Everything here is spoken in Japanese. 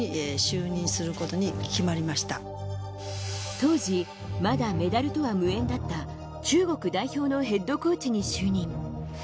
当時まだメダルとは無縁だった中国代表のヘッドコーチに就任。